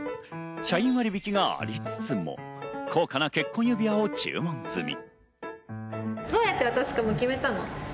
社員割引がありつつも、高価な結婚指輪を注文済み。